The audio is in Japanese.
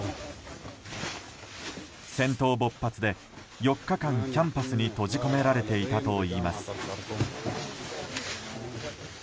戦闘勃発で４日間、キャンパスに閉じ込められていたといいます。